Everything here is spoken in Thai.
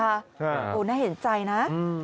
ใช่ครับนะครับกูน่าเห็นใจนะ